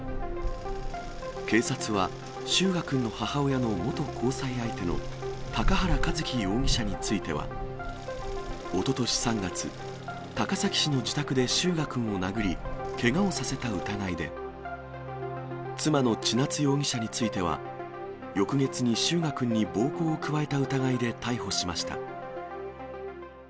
警察は、翔雅くんの母親の元交際相手の高原一貴容疑者については、おととし３月、高崎市の自宅で翔雅くんを殴り、けがをさせた疑いで、妻の千夏容疑者については、翌月に翔雅くんに暴行を加えた疑いで逮捕しました。